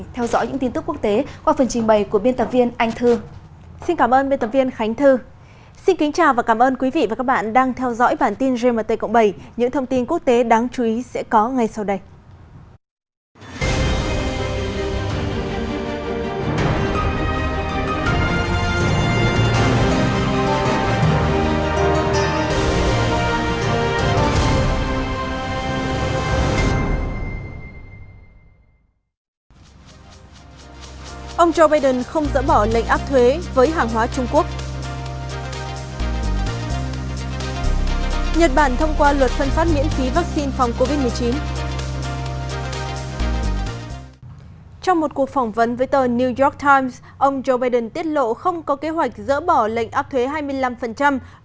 theo tờ new york times ông joe biden tiết lộ không có kế hoạch dỡ bỏ lệnh áp thuế hai mươi năm đối với hai trăm năm mươi tỷ đô la mỹ hàng hóa nhập khẩu trung quốc ngay khi nhậm chức